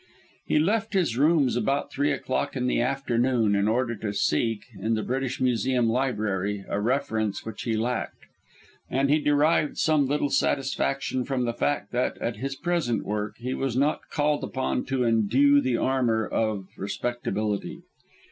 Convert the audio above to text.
He left his rooms about three o'clock in the afternoon, in order to seek, in the British Museum library, a reference which he lacked. The day was an exceedingly warm one, and he derived some little satisfaction from the fact that, at his present work, he was not called upon to endue the armour of respectability.